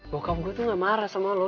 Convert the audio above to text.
bokap gue tuh gak marah sama lo